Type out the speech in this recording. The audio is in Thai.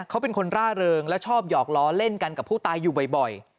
เขาเป็นคนร่าเริงและชอบหยอกล้อเล่นกันกับผู้ตายอยู่บ่อย